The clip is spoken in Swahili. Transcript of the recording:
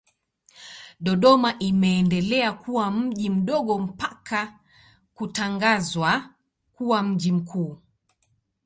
Dodoma imeendelea kuwa mji mdogo mpaka kutangazwa kuwa mji mkuu.